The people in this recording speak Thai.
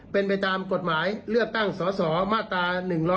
เป็นไปตามกฎหมายเลือกตั้งสสมาตรา๑๑๒